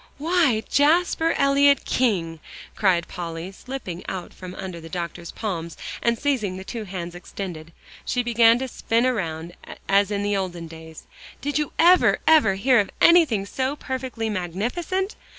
"Why, Jasper Elyot King!" cried Polly, slipping out from under the doctor's palms, and seizing the two hands extended, she began to spin around as in the olden days, "did you ever, ever hear of anything so perfectly magnificent!